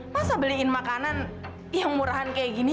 masa beliin makanan yang murahan kayak gini